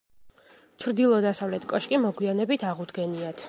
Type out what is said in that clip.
ჩრდილო-დასავლეთ კოშკი მოგვიანებით აღუდგენიათ.